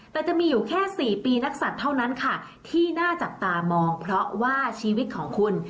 แต่จะมีอยู่แค่๔ปีนักศัตว์เท่านั้นค่ะที่น่าจับตามองเพราะว่าชีวิตของคุณ